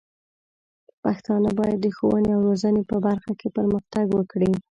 پښتانه بايد د ښوونې او روزنې په برخه کې پرمختګ وکړي.